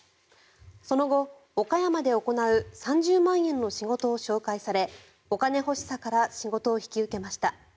その後、岡山で行う３０万円の仕事を紹介されお金欲しさから仕事を引き受けました。